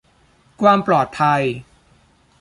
ความปลอดภัย